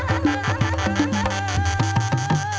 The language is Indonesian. mereka akan menjelaskan kekuatan mereka